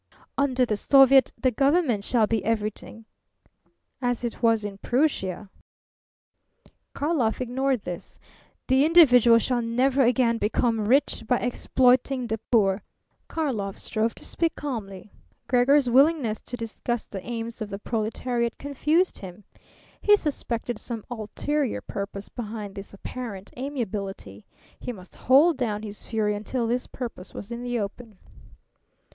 "Under the soviet the government shall be everything." "As it was in Prussia." Karlov ignored this. "The individual shall never again become rich by exploiting the poor." Karlov strove to speak calmly. Gregor's willingness to discuss the aims of the proletariat confused him. He suspected some ulterior purpose behind this apparent amiability. He must hold down his fury until this purpose was in the open.